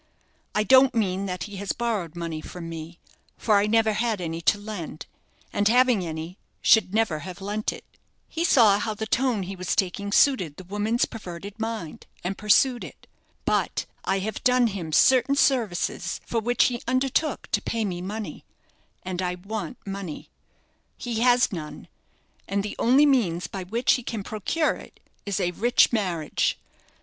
I don't mean that he has borrowed money from me, for I never had any to lend, and, having any, should never have lent it." He saw how the tone he was taking suited the woman's perverted mind, and pursued it. "But I have done him certain services for which he undertook to pay me money, and I want money. He has none, and the only means by which he can procure it is a rich marriage.